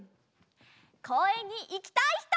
こうえんにいきたいひと！